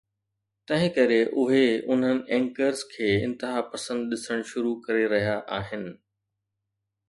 تنهن ڪري اهي انهن اينڪرز کي انتها پسند ڏسڻ شروع ڪري رهيا آهن.